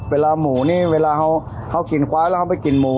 เวลาหมูนี่เวลาเขากินควายแล้วเขาไปกินหมู